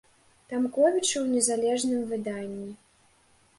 Тамковіча ў незалежным выданні.